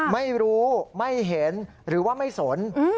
ไม่รู้ไม่เห็นหรือว่าไม่สน